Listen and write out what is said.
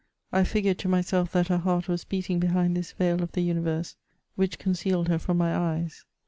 I figured to myself that her heart was beating behind this veil of the universe which concealed her from my eyes.